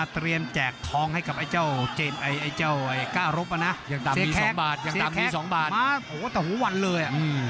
เสียแค้กมาโหแต่หัวหวั่นเลย